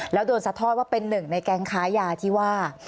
แล้วโดนสะทอดว่าเป็นหนึ่งในแก๊งค้ายาที่ว่า